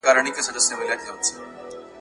زه مي د زلمیو شپو توبه یمه ماتېږمه !.